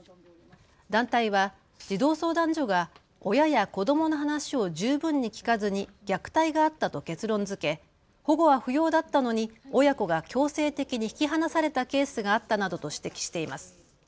団体は児童相談所が親や子どもの話を十分に聞かずに虐待があったと結論づけ保護は不要だったのに親子が強制的に引き離されたケースがあったなどと指摘しています。